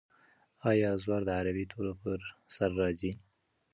آیا زور د عربي تورو پر سر راځي؟